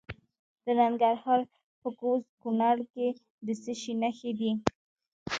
د ننګرهار په کوز کونړ کې د څه شي نښې دي؟